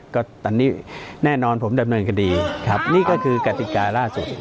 ก็ตอนนี้แน่นอนผมดำเนินคดีครับนี่ก็คือกติกาล่าสุด